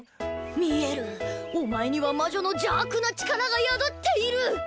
見えるお前には魔女の邪悪な力が宿っている！